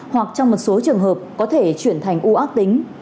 hoặc trong một số trường hợp có thể chuyển thành u ác tính